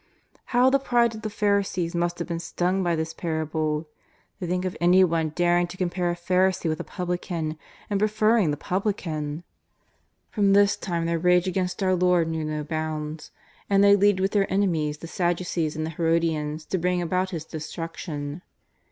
'' How the pride of the Pharisees must have been stung by this parable! To think of anyone daring to com pare a Pharisee with a publican, and preferring the publican! From this time their rage against our Lord JESUS OF NAZARETH. 253 knew no bounds, and they leagued with their enemies, the Saddueees and the Herodians, to bring about His destruction.